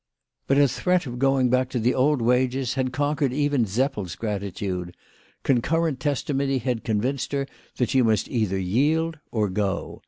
But a threat of going back to the old wages had conquered even Seppel's gratitude. Concurrent testimony had convinced her that she must either yield or go.